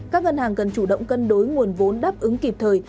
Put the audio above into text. các ngân hàng cần chủ động cân đối nguồn vốn đáp ứng kịp thời